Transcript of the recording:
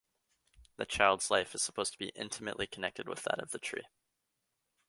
The child's life is supposed to be intimately connected with that of the tree.